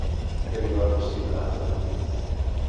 Què li va qüestionar en Martí?